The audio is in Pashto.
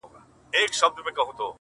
د نغري غاړو ته هواري دوې کمبلي زړې-